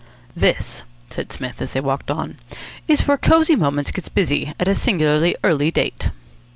"This," said Psmith, as they walked on, "is where Cosy Moments gets busy at a singularly early date."